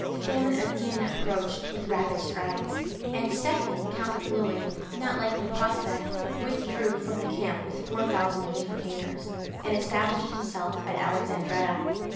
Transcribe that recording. Famine again approached with rapid strides, and Stephen count of Blois, not liking the prospect, withdrew from the camp with four thousand of his retainers, and established himself at Alexandretta.